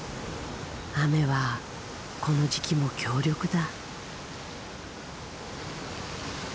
雨はこの時期も強力だ。